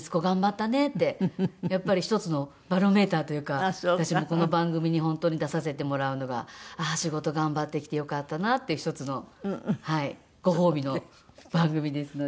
やっぱり一つのバロメーターというか私もこの番組に本当に出させてもらうのが仕事頑張ってきてよかったなっていう一つのご褒美の番組ですので。